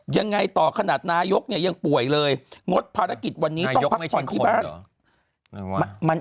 ยังไงต่อขนาดนายกเนี่ยยังป่วยเลยงดภารกิจวันนี้ต้องพักผ่อนที่บ้าน